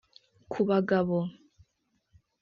Ku bagabo